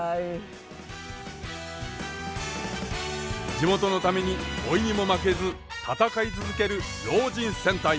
地元のために老いにも負けず戦い続ける老人戦隊！